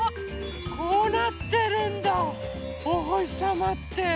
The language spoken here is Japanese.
こうなってるんだおほしさまって。